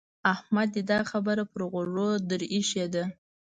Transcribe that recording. احمد دې دا خبره پر غوږو در اېښې ده.